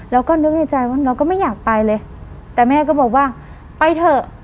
เราก็นึกในใจว่าเราก็ไม่อยากไปเลยแต่แม่ก็บอกว่าไปเถอะ